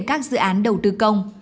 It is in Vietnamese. các dự án đầu tư công